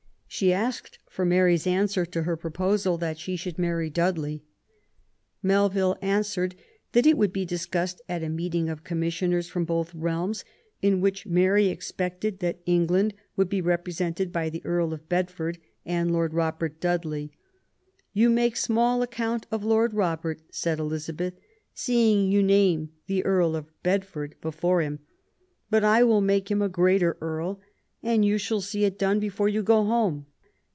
She asked for Mary's answer to her proposal that she should marry Dudley. Melville answered that it would be discussed at a meeting of commissioners from both realms, in which Mary expected that England would be repre sented by the Earl of Bedford and Lord Robert Dudley. " You make small account of Lord Robert," said Elizabeth, " seeing you name the Earl of Bedford before him. But I will make him a greater Earl, and you shall see it done before you go home."